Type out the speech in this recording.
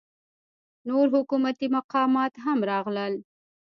نور حکومتي مقامات هم راغلل.